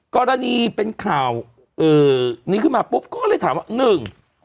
กรณีเป็นข่าวเอ่อนี้ขึ้นมาปุ๊บก็เลยถามว่าหนึ่ง